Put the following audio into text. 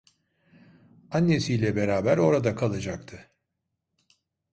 Annesiyle beraber orada kalacaktı…